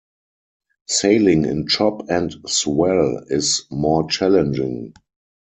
Sailing in chop and swell is more challenging.